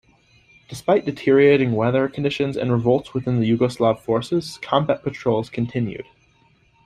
Despite deteriorating weather conditions and revolts within the Yugoslav forces, combat patrols continued.